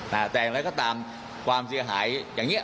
แต่อย่างไรก็ตามความเสียหายอย่างเงี้